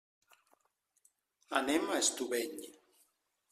Anem a Estubeny.